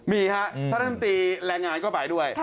มีท่านธรรมหนี้แรงงาญก็ไปด้วย